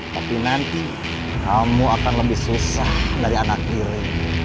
tapi nanti kamu akan lebih susah dari anak kiri